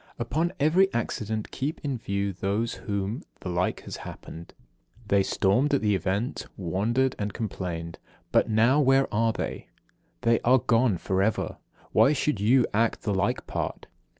58. Upon every accident keep in view those to whom the like has happened. They stormed at the event, wondered and complained. But now where are they? They are gone for ever. Why should you act the like part?